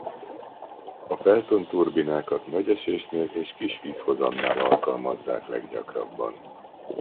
Pelton-turbinákat nagy esésnél és kis vízhozamnál alkalmazzák leggyakrabban.